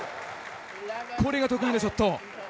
これが得意なショット。